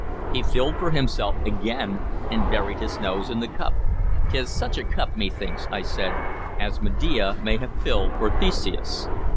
He filled for himself again, and buried his nose in the cup. "'T is such a cup, methinks," I said, "as Medea may have filled for Theseus.